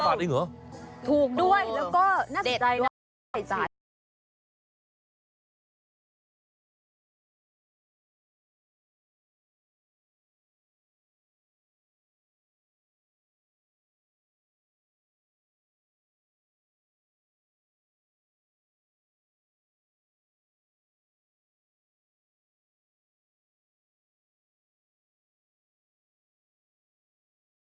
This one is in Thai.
ถูกด้วยแล้วก็น่าสุดใจด้วย